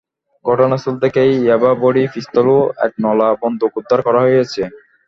ঘটনাস্থল থেকে ইয়াবা বড়ি, পিস্তল ও একনলা বন্দুক উদ্ধার করা হয়েছে।